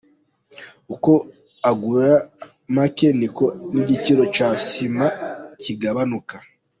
Uko agura make niko n’igiciro cya sima kigabanuka.